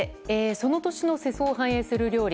その年の世相を反映する料理